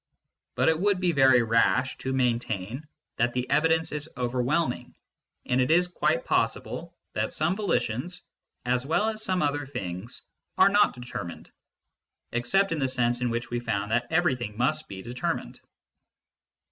But it would be very rash to maintain that the evidence is overwhelming, and it is quite possible that some volitions, as well as some other things, are not determined, except in the sense in which we found that everything must be determined.